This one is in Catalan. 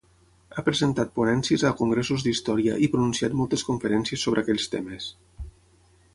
Ha presentat ponències a congressos d’història i pronunciat moltes conferències sobre aquells temes.